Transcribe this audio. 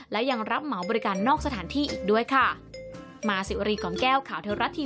และยังรับเหมาบริการนอกสถานที่อีกด้วยค่ะ